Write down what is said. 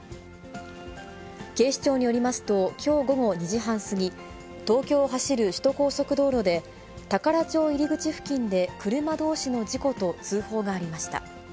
警視庁によりますと、きょう午後２時半過ぎ、東京を走る首都高速道路で、宝町入り口付近で車どうしの事故と通報がありました。